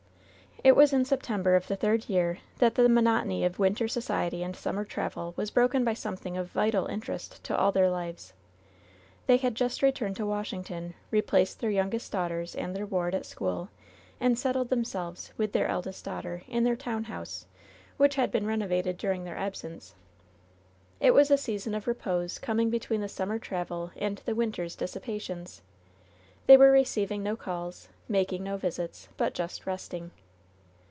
It was in September of the third year that the monot ony of winter society and summer travel was broken by something of vital interest to all their lives. They had just returned to Washington ; replaced their youngest daughters and their ward at school, and set tled themselves, with their eldest daughter, in their town house, which had been renovated during their absence. It was a season of repose coming between the summer travel and the vdnter's dissipations. They were receiv ing no calls, making no visits, but just resting.